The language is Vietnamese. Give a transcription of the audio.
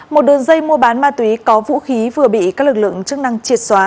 một đường dây mua bán ma túy có vũ khí vừa bị các lực lượng chức năng triệt xóa